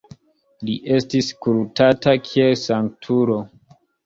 Li estis kultata kiel sanktulo.